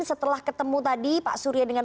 setelah ketemu tadi pak surya dengan